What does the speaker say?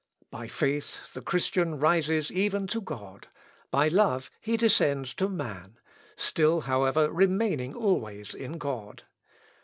By faith the Christian rises even to God: by love he descends to man; still, however, remaining always in God.